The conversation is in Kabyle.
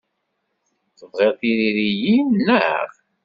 Tebɣiḍ tiririyin, naɣ?